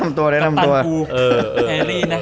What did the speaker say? กับตัวแฮรี่นะ